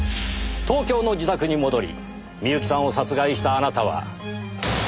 東京の自宅に戻り深雪さんを殺害したあなたは。